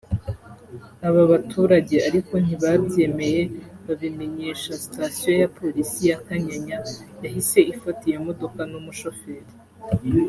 Aba baturage ariko ntibabyemeye babimenyesha station ya polisi ya Kanyanya yahise ifata iyo modoka n’umushoferi